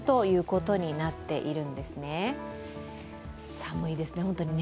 寒いですね、本当にね。